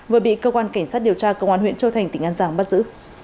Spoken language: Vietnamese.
vừa bị cơ quan cảnh sát điều tra công an huyện châu thành tỉnh an giang bắt giữ